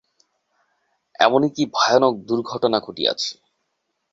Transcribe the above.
এমনি কী ভয়ানক দুর্ঘটনা ঘটিয়াছে!